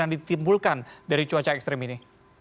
yang ditimbulkan dari cuaca ekstrim ini